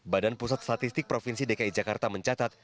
badan pusat statistik provinsi dki jakarta mencatat